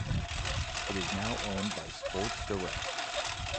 It is now owned by Sports Direct.